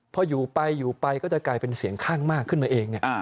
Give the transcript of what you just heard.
พออยู่ไปอยู่ไปก็จะกลายเป็นเสียงข้างมากขึ้นมาเอง